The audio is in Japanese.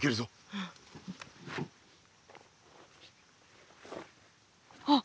うん。あっ。